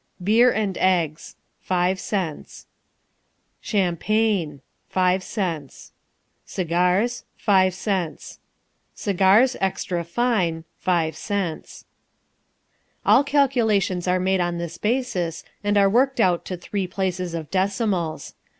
Beer and Eggs ...... 5 cents. Champagne. ...... 5 cents. Cigars ........ 5 cents. Cigars, extra fine ..... 5 cents. All calculations are made on this basis and are worked out to three places of decimals.